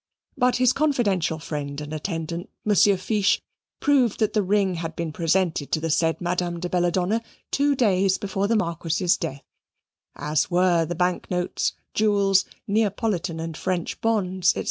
But his confidential friend and attendant, Monsieur Fiche proved that the ring had been presented to the said Madame de Belladonna two days before the Marquis's death, as were the bank notes, jewels, Neapolitan and French bonds, &c.